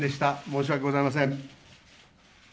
申し訳ございません。